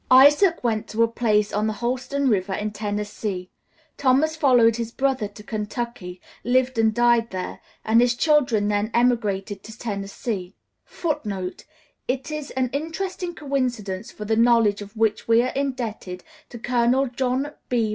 Isaac went to a place on the Holston River in Tennessee; Thomas followed his brother to Kentucky, lived and died there, and his children then emigrated to Tennessee [Footnote: It is an interesting coincidence for the knowledge of which we are indebted to Colonel John B.